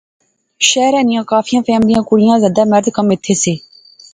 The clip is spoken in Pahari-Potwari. شہرے نیاں کافی فیملیاں، کڑیاں زیادے مرد کم ایتھیں سے